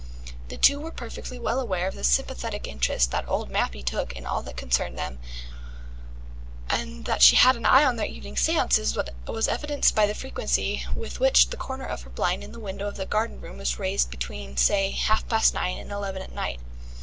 The two were perfectly well aware of the sympathetic interest that Old Mappy took in all that concerned them, and that she had an eye on their evening séances was evidenced by the frequency with which the corner of her blind in the window of the garden room was raised between, say, half past nine and eleven at night.